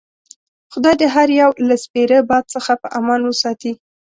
خدای دې هر یو له سپیره باد څخه په امان وساتي.